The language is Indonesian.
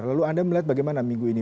lalu anda melihat bagaimana minggu ini